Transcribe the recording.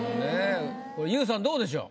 これＹＯＵさんどうでしょう？